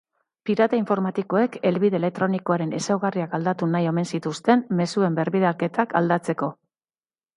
Pirata informatikoek helbide elektronikoaren ezaugarriak aldatu nahi omen zituzten, mezuen berbidalketak aldatzeko.